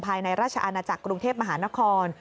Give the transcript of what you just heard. ภายในราชอาณาจักรกรุงเทพมหานคร